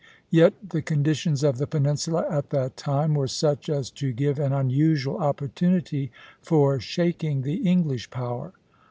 Yet the conditions of the peninsula at that time were such as to give an unusual opportunity for shaking the English power.